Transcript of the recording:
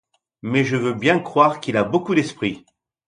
Mais je veux bien croire qu'il a beaucoup d'esprit.